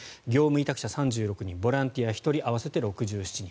委託者３６人ボランティア１人合わせて６７人。